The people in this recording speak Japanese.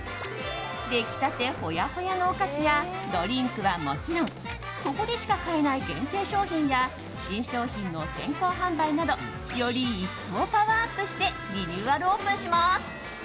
出来たてほやほやのお菓子やドリンクはもちろんここでしか買えない限定商品や新商品の先行販売などより一層パワーアップしてリニューアルオープンします。